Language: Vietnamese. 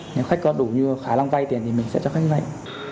nếu khách có đủ như khá long vây tiền thì mình sẽ cho khách vây